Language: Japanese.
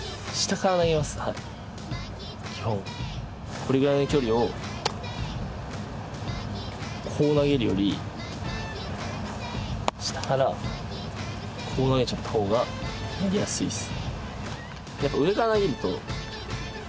これぐらいの距離をこう投げるより下からこう投げちゃった方が投げやすいです。